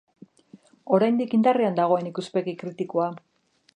Oraindik indarrean dagoen ikuspegi kritikoa.